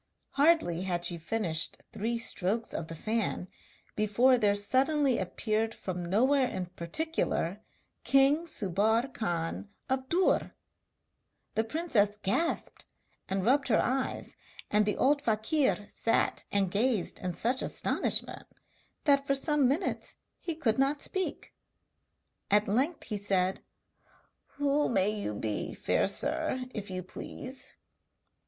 Hardly had she finished three strokes of the fan before there suddenly appeared from nowhere in particular, king Subbar Khan of Dûr! The princess gasped and rubbed her eyes, and the old fakir sat and gazed in such astonishment that for some minutes he could not speak. At length he said: 'Who may you be, fair sir, if you please?'